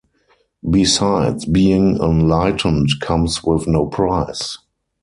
Besides, being enlightened comes with no price.